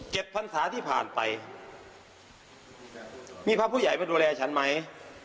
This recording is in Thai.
พรรษาที่ผ่านไปมีพระผู้ใหญ่ไปดูแลฉันไหม